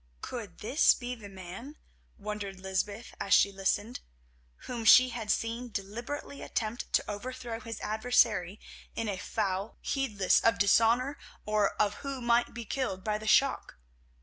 Could this be the man, wondered Lysbeth as she listened, whom she had seen deliberately attempt to overthrow his adversary in a foul heedless of dishonour or of who might be killed by the shock?